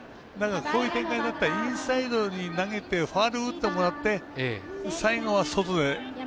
こういう展開だったらインサイドに投げてファウルを打ってもらって最後は外で。